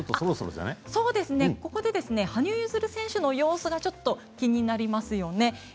ここで羽生結弦選手の様子が気になりますよね。